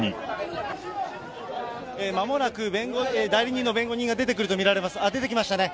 まもなく代理人の弁護人が出てくると見られます。